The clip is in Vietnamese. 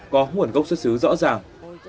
có nguồn gốc xuất xứ rõ ràng